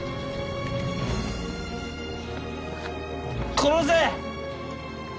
殺せ。